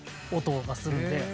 音がするんで。